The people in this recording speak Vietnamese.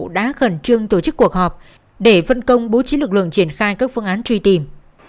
đã khẩn trương tổ chức cuộc họp để phân công bố trí lực lượng triển khai các phương án truy tìm